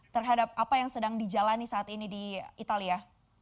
terhadap apa yang sedang dijalani saat ini di italia